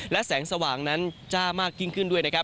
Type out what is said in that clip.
และแสงสว่างนั้นจ้ามากยิ่งขึ้นด้วยนะครับ